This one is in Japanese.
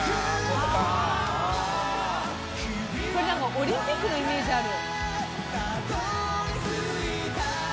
「オリンピックのイメージある」